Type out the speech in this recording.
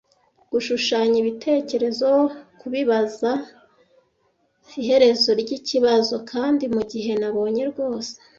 gushushanya ibitekerezo kubizaba iherezo ryikibazo, kandi mugihe nabonye rwose